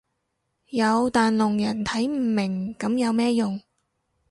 有但聾人睇唔明噉有咩用